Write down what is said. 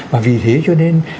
và vì thế cho nên